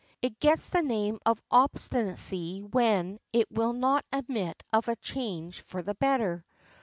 It gets the name of obstinacy when it will not admit of a change for the better.